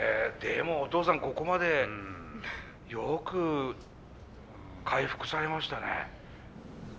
でもお父さんここまでよく回復されましたね。